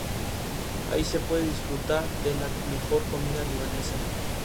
Suga considera esta canción como la que resume toda la historia.